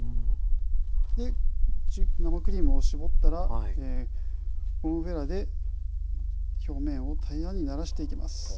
生クリームを絞ったらゴムべらで表面を平らにならしていきます。